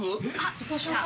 自己紹介